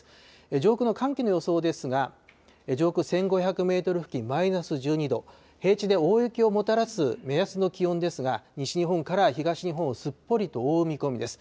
上空の寒気の予想ですが、上空１５００メートル付近、マイナス１２度、平地で大雪をもたらす目安の気温ですが、西日本から東日本をすっぽりと覆う見込みです。